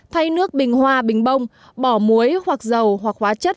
thay nước bình hoa bình bông bỏ muối hoặc dầu hoặc hóa chất